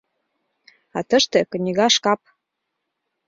— А тыште — книга шкап.